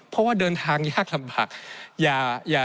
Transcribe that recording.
เพราะว่าเดินทางยากลำบาก